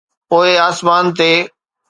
پوءِ آسمان تي.